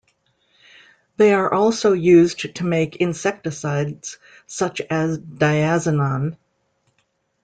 They are also used to make insecticides such as diazinon.